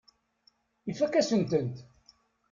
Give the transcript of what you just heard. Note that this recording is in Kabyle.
Ifakk-asent-tent.